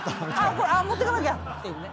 これ持ってかなきゃっていうね。